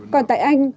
còn tại anh